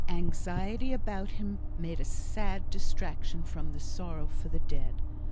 Anxiety about him made a sad distraction from the sorrow for the dead.